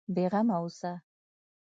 بېغمه اوسه.